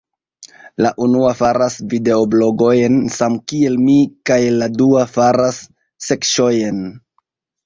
La unua faras videoblogojn samkiel mi kaj la dua faras sekĉojn